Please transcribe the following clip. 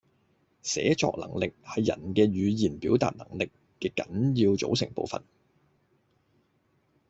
寫作能力係人嘅語言表達能力嘅緊要組成部分